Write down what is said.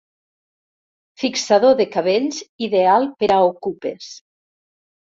Fixador de cabells ideal per a okupes.